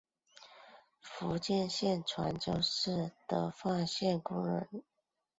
福建省泉州市德化县工人。